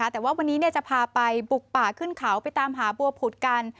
แต่ว่าวันนี้จะพาไปบุกป่าขึ้นเขาไปตามหาบัวผุดกัน